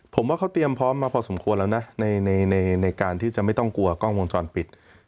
ผมว่าเขาเตรียมพร้อมมาพอสมควรแล้วนะในการที่จะไม่ต้องกลัวกล้องวงจรปิด